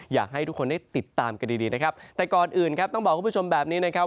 อยากให้ทุกคนได้ติดตามกันดีดีนะครับแต่ก่อนอื่นครับต้องบอกคุณผู้ชมแบบนี้นะครับ